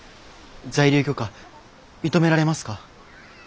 在留許可認められますか？